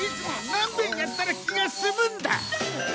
なんべんやったら気が済むんだ！